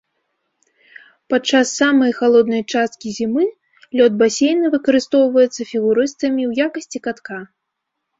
Падчас самай халоднай часткі зімы, лёд басейна выкарыстоўваецца фігурыстамі ў якасці катка.